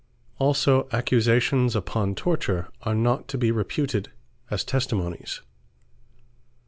Also Accusations upon Torture, are not to be reputed as Testimonies.